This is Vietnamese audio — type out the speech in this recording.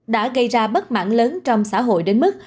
đã gây ra bất mãn lớn trong xã hội đến mức